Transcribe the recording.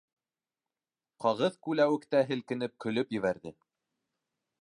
Ҡағыҙ күләүектә һелкенеп көлөп ебәрҙе.